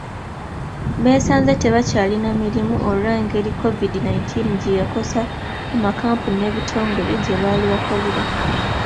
Beesanze tebakyalina mirimu olwe ngeri COVID nineteen gye yakosa amakampuni ne bitongole gye baali bakolera.